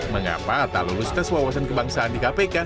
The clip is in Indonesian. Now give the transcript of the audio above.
mengapa tak lulus tes wawasan kebangsaan di kpk